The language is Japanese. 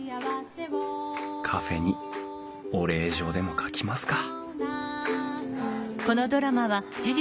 カフェにお礼状でも書きますか！